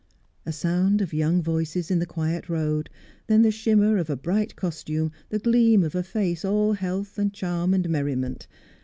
A sound of young voices in the quiet road; then the shimmer of a bright costume, the gleam of a face all health and charm and merriment.